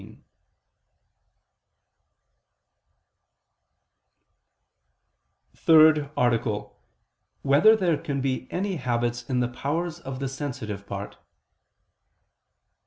50, Art. 3] Whether There Can Be Any Habits in the Powers of the Sensitive Part?